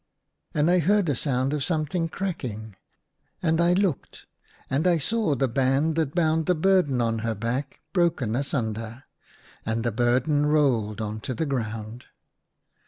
And I heard a sound of something cracking, and I looked, and I saw the band that bound the burden on to her back broken asunder ; and the burden rolled on to the ground.